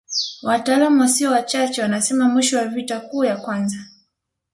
Wataalamu wasio wachache wanasema mwisho wa vita kuu ya kwanza